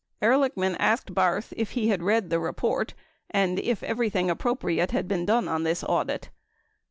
Ehrlichman asked Barth if he had read the report and that if everything appropriate had been done on this audit.